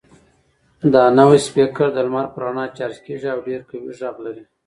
دا نوی سپیکر د لمر په رڼا چارج کیږي او ډېر قوي غږ لري.